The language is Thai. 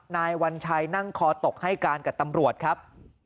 นายวัญชัยนั่งคอตกให้การกับตำรวจครับ